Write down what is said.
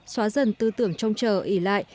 xóa dần tư tưởng trông chờ ỉ lại